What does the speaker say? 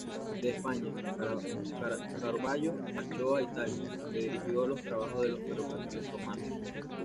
De España, Carvallo marchó a Italia, donde dirigió los trabajos de los ferrocarriles romanos.